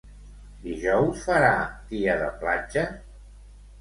Dijous farà dia de platja?